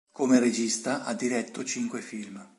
Come regista ha diretto cinque film.